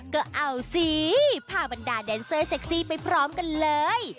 ก็เอาสิพาบรรดาแดนเซอร์เซ็กซี่ไปพร้อมกันเลย